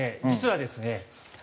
実はですね